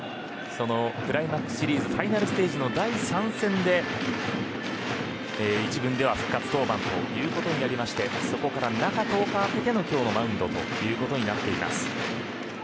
そのクライマックスシリーズファイナルステージの第３戦で１軍では復活登板ということになりましてそこから中１０日空けての今日のマウンドということになっています。